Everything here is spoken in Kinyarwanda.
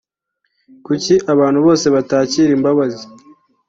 kuki abantu bose batakira imbabazi